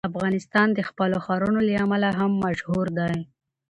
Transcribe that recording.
افغانستان د خپلو ښارونو له امله هم مشهور دی.